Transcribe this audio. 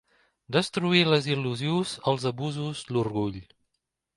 Destruir les il·lusions, els abusos, l'orgull.